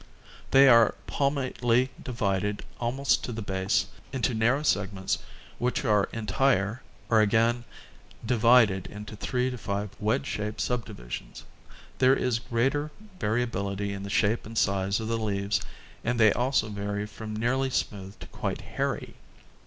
They are palmately divided almost to the base, into narrow segments which are entire, or again divided into 3 5 wedge shaped subdivisions. There is great variability in the shape and size of the leaves and they also vary from nearly smooth to quite hairy.